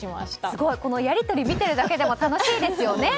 このやり取りを見てるだけでも楽しいですよね。